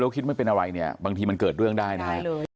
คิดไม่เป็นอะไรเนี่ยบางทีมันเกิดเรื่องได้นะฮะ